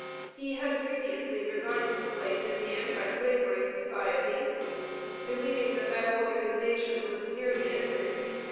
He had previously resigned his place in the Anti slavery Society, believing that that organization was near the end of its usefulness.